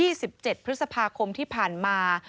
๒๗เทศพาคมที่ผ่านมา